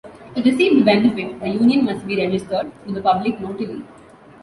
To receive the benefit, the union must be registered through the public notary.